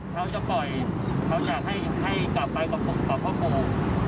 เขาจะปล่อยเขาอยากให้กลับไปกับพ่อปู่